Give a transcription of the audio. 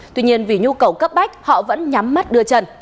tuy nhiên vì nhu cầu cấp bách họ vẫn nhắm mắt đưa trần